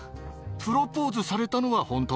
プロポーズされたのは本当？